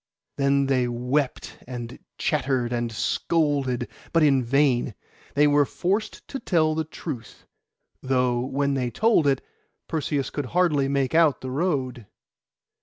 Then they wept, and chattered, and scolded; but in vain. They were forced to tell the truth, though, when they told it, Perseus could hardly make out the road.